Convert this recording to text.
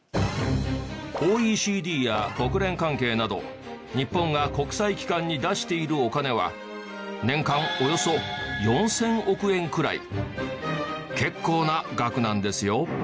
ＯＥＣＤや国連関係など日本が国際機関に出しているお金は年間およそ４０００億円くらい。